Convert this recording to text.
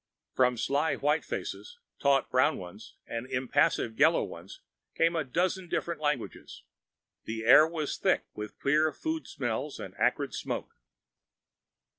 From sly white faces, taut brown ones and impassive yellow ones came a dozen different languages. The air was thick with queer food smells and the acrid smoke.